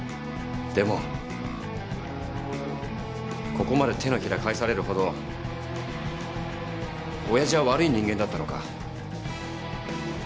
でもここまで手のひら返されるほどおやじは悪い人間だったのか？